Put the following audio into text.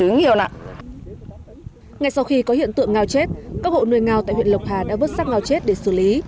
ngay sau khi có hiện tượng ngao chết các hộ nuôi ngao tại huyện lộc hà đã vớt sắc ngao chết để xử lý